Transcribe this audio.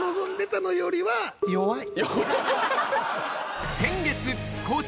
弱い。